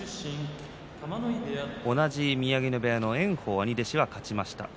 同じ宮城野部屋の炎鵬が勝ちました。